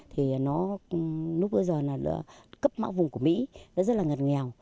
thì nó lúc bây giờ là cấp mạng vùng của mỹ nó rất là ngật nghèo